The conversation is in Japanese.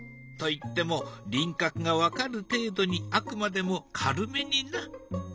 といっても輪郭が分かる程度にあくまでも軽めにな。